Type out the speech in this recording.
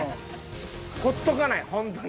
ほっとかないホントに。